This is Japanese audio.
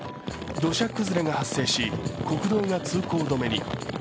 土砂崩れが発生し、国道が通行止めに。